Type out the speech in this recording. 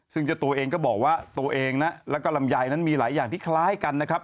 ซึ่งเจ้าตัวเองก็บอกว่าตัวเองนะแล้วก็ลำไยนั้นมีหลายอย่างที่คล้ายกันนะครับ